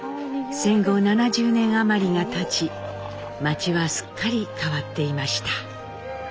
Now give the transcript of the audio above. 戦後７０年余りがたち町はすっかり変わっていました。